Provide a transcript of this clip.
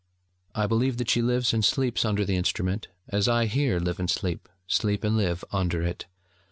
I believe that she lives and sleeps under the instrument, as I here live and sleep, sleep and live, under it.